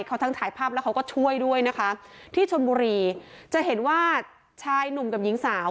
เขาทั้งถ่ายภาพแล้วเขาก็ช่วยด้วยนะคะที่ชนบุรีจะเห็นว่าชายหนุ่มกับหญิงสาว